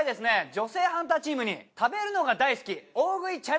女性ハンターチームに食べるのが大好き。